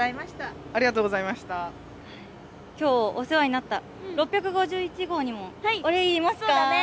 今日お世話になった６５１号にもお礼言いますか。